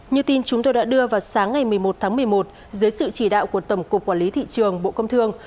như tin chúng tôi đã đưa vào sáng ngày một mươi một tháng một mươi một dưới sự chỉ đạo của tổng cục quản lý thị trường bộ công thương